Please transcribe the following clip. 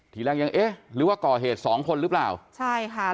ทีแรกยังเอ๊ะหรือว่าก่อเหตุสองคนหรือเปล่าใช่ค่ะ